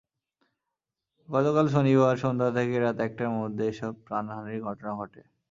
গতকাল শনিবার সন্ধ্যা থেকে রাত একটার মধ্যে এসব প্রাণহানির ঘটনা ঘটে।